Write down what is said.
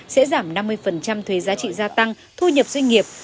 sẽ giảm năm mươi thuế giá trị gia tăng thu nhập doanh nghiệp